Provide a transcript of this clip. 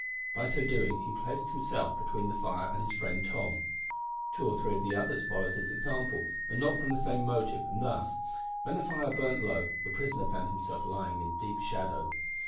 By so doing he placed himself between the fire and his friend Tom. Two or three of the others followed his example, though not from the same motive, and thus, when the fire burnt low, the prisoner found himself lying in deep shadow.